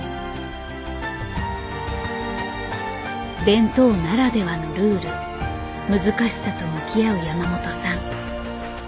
弁当ならではのルール難しさと向き合う山本さん。